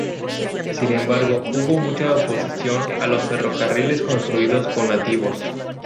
Sin embargo, hubo mucha oposición a los ferrocarriles construidos con nativos.